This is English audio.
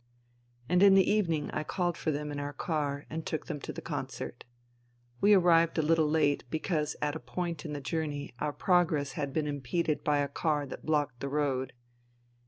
And in the evening I called for them in our car and took them to the concert. We arrived a little late because at a point in the journey our progress had been impeded by a car that blocked the road.